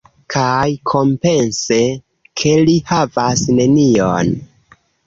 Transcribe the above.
Kaj, kompense, ke li havas nenion.